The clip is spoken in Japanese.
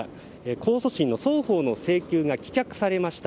控訴審の双方の請求が棄却されました。